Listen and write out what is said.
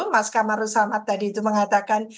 mas kamarul salmat tadi itu mengatakan